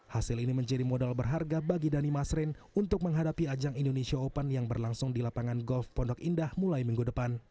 hasil ini menjadi modal berharga bagi dhani masrin untuk menghadapi ajang indonesia open yang berlangsung di lapangan golf pondok indah mulai minggu depan